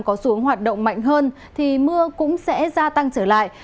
có xuống hoạt động mạnh hơn thì mưa cũng sẽ gia tăng trở lại